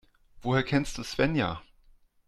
Woher kennst du Svenja?